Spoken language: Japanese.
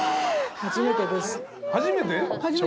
初めてです。